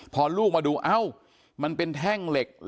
พอลูกมาดูเอ้ามันเป็นแท่งเหล็ก